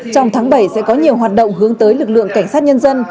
trong tháng bảy sẽ có nhiều hoạt động hướng tới lực lượng cảnh sát nhân dân